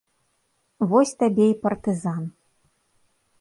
Вось табе і партызан.